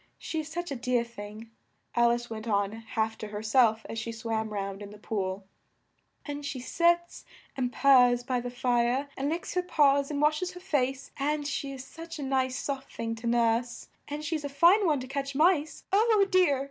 She is such a dear thing," Al ice went on half to her self as she swam round in the pool, "and she sits and purrs by the fire and licks her paws and wash es her face and she is such a nice soft thing to nurse and she's a fine one to catch mice Oh, dear!"